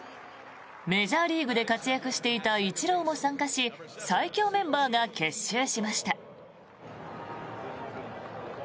メジャーリーグで活躍していたイチローも参加し最強メンバーが結集しました。